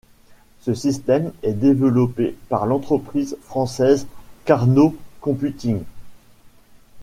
Ce système est développé par l’entreprise française Qarnot computing.